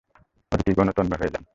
অতিথিগণও তন্ময় হয়ে যায়।